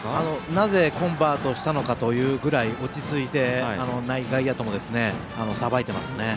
なぜコンバートしたのかというぐらい落ち着いて内外野とも、さばいていますね。